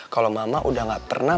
kalau mama udah gak pernah